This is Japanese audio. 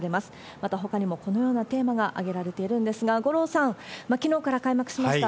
また、ほかにもこのようなテーマが挙げられているんですが、五郎さん、きのうから開幕しました。